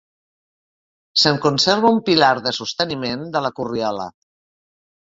Se'n conserva un pilar de sosteniment de la corriola.